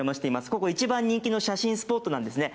ここ一番人気の写真スポットなんですね。